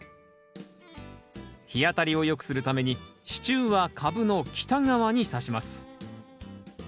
日当たりをよくするために支柱は株の北側にさします。